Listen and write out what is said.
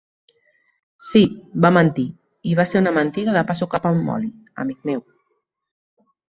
Sí, va mentir, i va ser una mentida de pa sucat amb oli, amic meu.